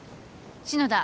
篠田。